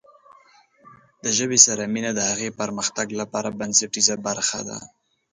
د ژبې سره مینه د هغې پرمختګ لپاره بنسټیزه برخه ده.